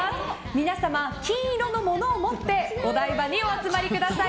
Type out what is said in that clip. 皆様、金色のものを持ってお台場にお集まりください。